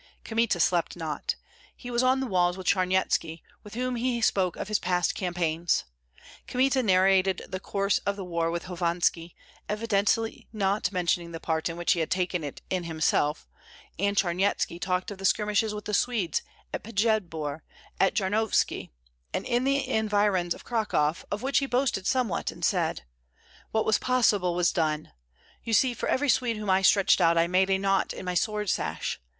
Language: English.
Kmita slept not; he was on the walls with Charnyetski, with whom he spoke of his past campaigns. Kmita narrated the course of the war with Hovanski, evidently not mentioning the part which he had taken in it himself; and Charnyetski talked of the skirmishes with the Swedes at Pjedbor, at Jarnovtsi, and in the environs of Cracow, of which he boasted somewhat and said, "What was possible was done. You see, for every Swede whom I stretched out I made a knot on my sword sash.